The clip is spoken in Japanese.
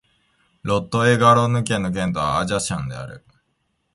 ロット＝エ＝ガロンヌ県の県都はアジャンである